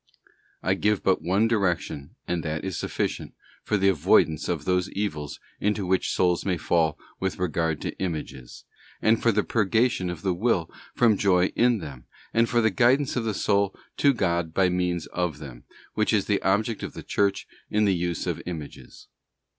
I give but one direction, and that is sufficient, for the avoidance of those evils into which souls may fall with regard to images, and for the purgation of the will from joy in them, and for the guidance of the soul to God by means of them, * 2 Cor. xi, 14, TRUE DEVOTION SPIRITUAL. 301 which is the object of the Church in the use of images.